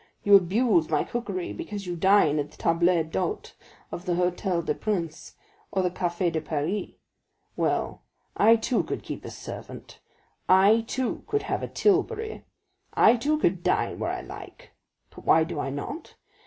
You abuse my cookery because you dine at the table d'hôte of the Hôtel des Princes, or the Café de Paris. Well, I too could keep a servant; I too could have a tilbury; I too could dine where I like; but why do I not?